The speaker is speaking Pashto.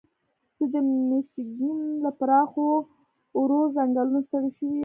زه د میشیګن له پراخو اوارو ځنګلونو ستړی شوی یم.